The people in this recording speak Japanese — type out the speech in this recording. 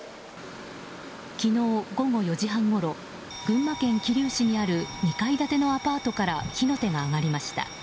昨日、午後４時半ごろ群馬県桐生市にある２階建てのアパートから火の手が上がりました。